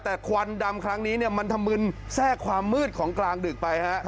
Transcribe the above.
แต่ควันดำครั้งนี้เนี่ยมันถมึนแทรกความมืดของกลางดึกไปฮะ